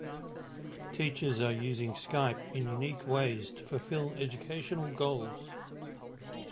Teachers are using Skype in unique ways to fulfil educational goals.